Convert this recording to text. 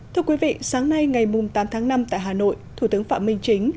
thưa quý vị sáng nay ngày tám tháng năm tại hà nội thủ tướng phạm minh chính